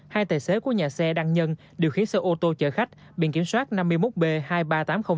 hai tài xế của nhà xe đăng nhân điều khiến sơ ô tô chở khách biện kiểm soát năm mươi một b hai mươi ba nghìn tám trăm linh tám